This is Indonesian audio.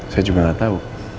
saya juga gak tau